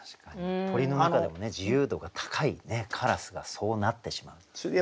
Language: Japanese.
鳥の中でも自由度が高いカラスがそうなってしまうっていうね。